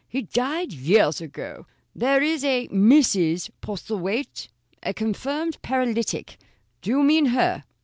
He died years ago. There is a Mrs. Postlethwaite a confirmed paralytic. Do you mean her?"